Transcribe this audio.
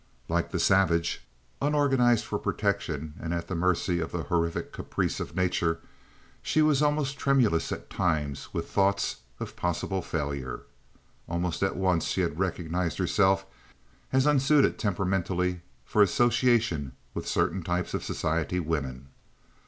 Like the savage, unorganized for protection and at the mercy of the horrific caprice of nature, she was almost tremulous at times with thoughts of possible failure. Almost at once she had recognized herself as unsuited temperamentally for association with certain types of society women.